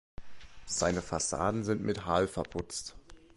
Seine Fassaden sind mit Harl verputzt.